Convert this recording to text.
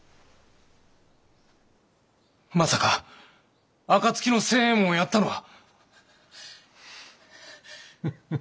まさか暁の星右衛門をやったのは。